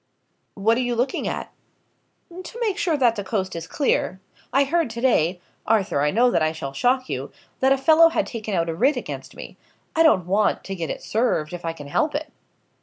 "What are you looking at?" "To make sure that the coast is clear. I heard to day Arthur, I know that I shall shock you that a fellow had taken out a writ against me. I don't want to get it served, if I can help it."